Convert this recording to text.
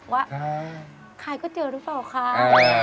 ว่าขายก๋วยเตี๋ยวรึเปล่าคะอย่างนี้อะ